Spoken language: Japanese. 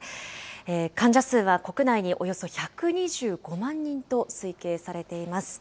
患者数は国内におよそ１２５万人と推計されています。